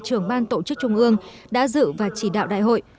trưởng ban tổ chức trung ương đã dự và chỉ đạo đại hội